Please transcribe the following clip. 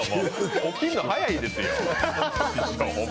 起きるの、早いんですよ。